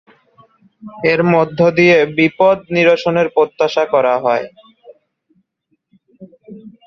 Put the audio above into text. এর মধ্য দিয়ে বিপদ নিরসনের প্রত্যাশা করা হয়।